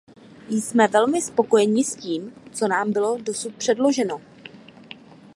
Jsme velmi spokojeni s tím, co nám bylo dosud předloženo.